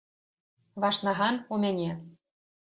Ваш наган у мяне!